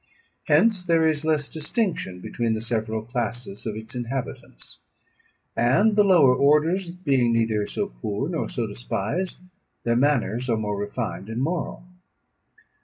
Hence there is less distinction between the several classes of its inhabitants; and the lower orders, being neither so poor nor so despised, their manners are more refined and moral.